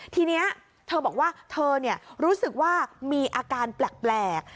ทีนี้เธอบอกว่าเธอรู้สึกว่ามีอาการแปลก